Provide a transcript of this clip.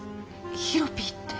ヒロピーって。